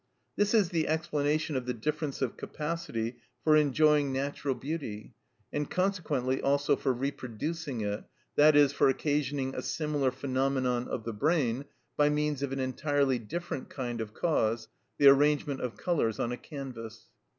This is the explanation of the difference of capacity for enjoying natural beauty, and consequently also for reproducing it, i.e., for occasioning a similar phenomenon of the brain by means of an entirely different kind of cause, the arrangement of colours on a canvas.